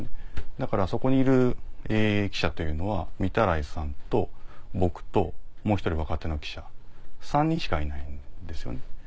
だからそこにいる記者というのは御手洗さんと僕ともう１人若手の記者３人しかいないんですよね。